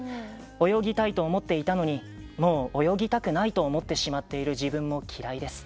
泳ぎたいと思っていたのにもう泳ぎたくないと思ってしまっている自分も嫌いです」。